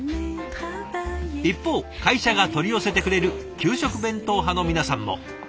一方会社が取り寄せてくれる給食弁当派の皆さんも。